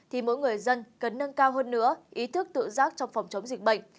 thì mỗi người dân cần nâng cao hơn nữa ý thức tự giác trong phòng chống dịch bệnh